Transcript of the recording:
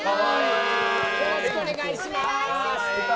よろしくお願いします。